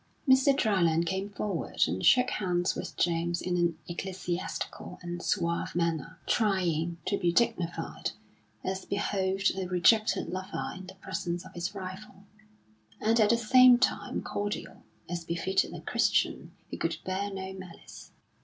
Mr. Dryland came forward and shook hands with James in an ecclesiastical and suave manner, trying to be dignified, as behoved a rejected lover in the presence of his rival, and at the same time cordial, as befitted a Christian who could bear no malice.